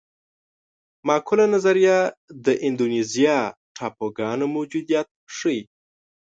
معقوله نظریه د اندونیزیا ټاپوګانو موجودیت ښيي.